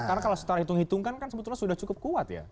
karena kalau setara hitung hitung kan kan sebetulnya sudah cukup kuat ya